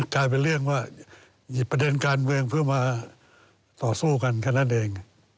กลายเป็นเรื่องว่าหยิบประเด็นการเมืองเพื่อมาต่อสู้กันแค่นั้นเอง